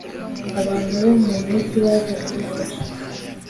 abantu bo mumujyi baje kumufasha